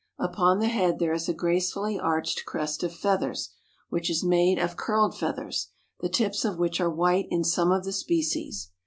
Upon the head there is a gracefully arched crest of feathers which is made of curled feathers, the tips of which are white in some of the species.